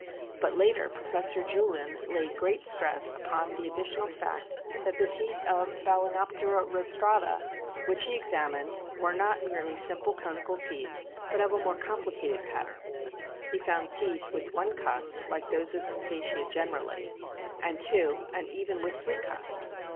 But later Professor Julin laid great stress upon the ad ditional fact that the teeth of Balcenoptera rostrata which he examined were not merely simple conical teeth, but of a more complicated pattern ; he found teeth with one cusp (like those of Cetacea generally), with two, and even with three cusps.